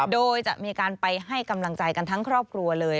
โดยจะมีการไปให้กำลังใจกันทั้งครอบครัวเลย